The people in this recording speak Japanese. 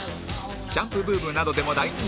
キャンプブームなどでも大人気